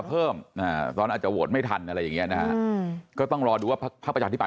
ตอนนั้นอาจจะโหวตไม่ทันอะไรอย่างเงี้ยนะฮะก็ต้องรอดูว่าพระประชาติที่ปลาย